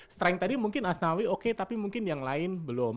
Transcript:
strength tadi mungkin asnawi oke tapi mungkin yang lain belum